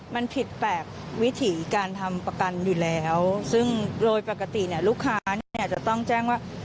มันผิดแปลกวิถีการทำประกันอยู่แล้วซึ่งโดยปกติเนี่ยลูกค้าเนี่ยจะต้องแจ้งว่า